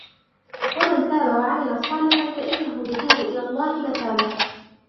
وَمَنْ تَابَ وَعَمِلَ صَالِحًا فَإِنَّهُ يَتُوبُ إِلَى اللَّهِ مَتَابًا